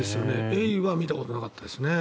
エイは見たことなかったですね。